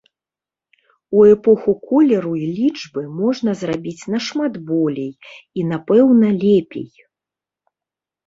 У эпоху колеру і лічбы можна зрабіць нашмат болей і, напэўна, лепей.